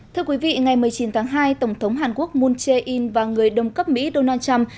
thưa quý vị ngày một mươi chín tháng hai tổng thống hàn quốc moon jae in và người đồng cấp mỹ donald trump